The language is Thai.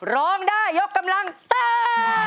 ร้องได้ยกกำลังซ่า